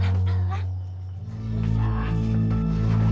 terima kasih pak